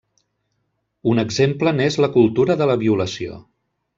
Un exemple n'és la cultura de la violació.